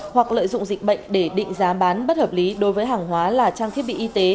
hoặc lợi dụng dịch bệnh để định giá bán bất hợp lý đối với hàng hóa là trang thiết bị y tế